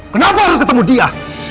kenapa harus ketemu dia